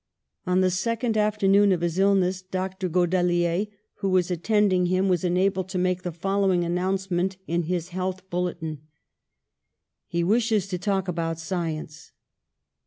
On the second afternoon of his illness Dr. Godelier, who was attending him, was enabled to make the following announcement in his health bul letin: "He wishes to talk about science."